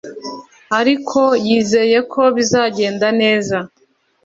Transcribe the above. ariko yizeye ko bizagenda neza